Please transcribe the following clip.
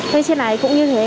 thế trên này cũng như thế